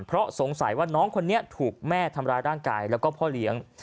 เพราะสงสัยว่าน้องคนนี้ถูกแม่ทำร้ายร่างกายแล้วก็พ่อเลี้ยง